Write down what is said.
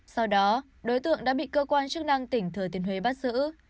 sau đó đối tượng đã bị cơ quan chức năng tỉnh thừa tiên huế bắt giữ